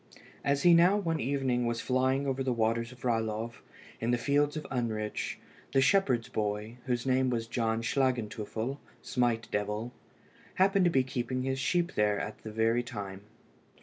As he now, one evening, was flying over the waters of Ralov and the fields of Unrich, the shepherd's boy, whose name was John Schlagenteufel (Smite devil), happened to be keeping his sheep there at the very time.